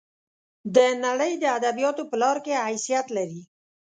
د نړۍ د ادبیاتو په لار کې حیثیت لري.